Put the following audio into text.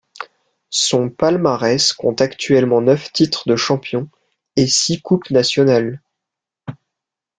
Son palmarès compte actuellement neuf titres de champions et six Coupes nationales.